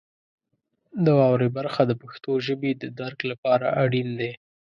د واورئ برخه د پښتو ژبې د درک لپاره اړین دی.